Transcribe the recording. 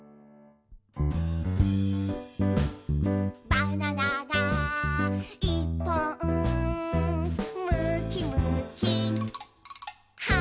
「バナナがいっぽん」「むきむきはんぶんこ！」